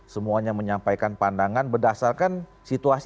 semuanya menyampaikan pandangan berdasarkan situasi